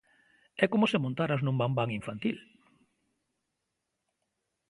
É como se montaras nun bambán infantil.